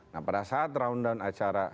nah pada saat round down acara